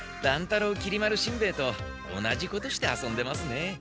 太郎きり丸しんべヱと同じことして遊んでますね。